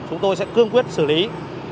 chúng tôi sẽ cương quyết xử lý